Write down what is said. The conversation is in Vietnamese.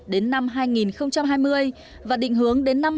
đến năm hai nghìn hai mươi và định hướng đến năm hai nghìn hai mươi một